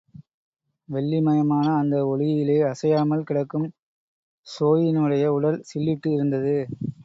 வெள்ளி மயமான அந்த ஒளியிலே அசையாமல் கிடக்கும் ஸோயினுடைய உடல் சில்லிட்டு இருந்தது.